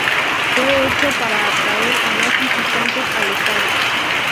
Fue hecho para atraer a más visitantes al estado.